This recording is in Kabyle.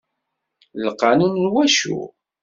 Lqanun n wacu?